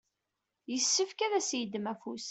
yessefk ad s-yeddem afus.